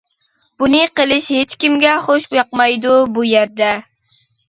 بۇنى قىلىش ھېچكىمگە خوش ياقمايدۇ بۇ يەردە.